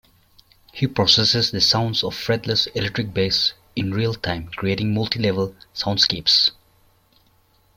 He processes the sounds of fretless electric bass in real time, creating multi-level soundscapes.